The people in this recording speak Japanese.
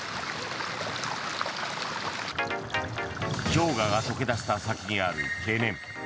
氷河が解け出した先にある懸念。